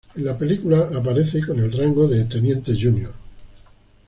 En la película de aparece con el rango de teniente junior.